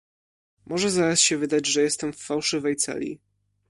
"Może zaraz się wydać, że jestem w fałszywej celi."